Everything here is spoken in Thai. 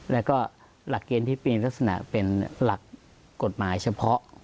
แล้วก็หลักเกณฑ์ที่เป็นลักษณะเป็นหลักกฎหมายเฉพาะ